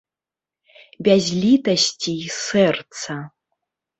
Без літасці і сэрца.